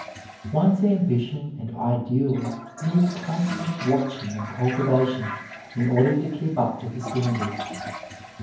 One's ambition and ideals need constant watching and cultivation in order to keep up to the standards.